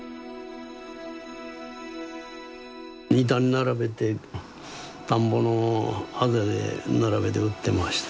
板に並べて田んぼのあぜで並べて売ってました。